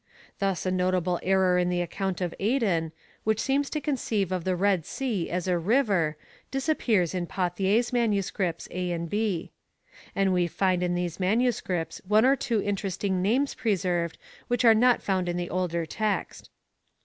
Thus a notable error in the account of Aden, which seems to conceive of the Red Sea as a river, disappears in Pauthier's MSS. A and B.f And we find in these MSS. one or two interesting names preserved which are not found in the older Text.